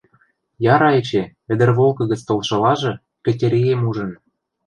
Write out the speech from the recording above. Яра эче, ӹдӹрволкы гӹц толшылажы, Кӹтьӹриэм ужын.